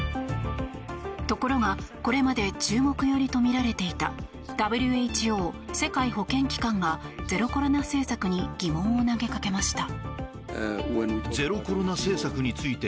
ところが、これまで中国寄りとみられていたＷＨＯ・世界保健機関がゼロコロナ政策に疑問を投げかけました。